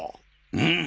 うん。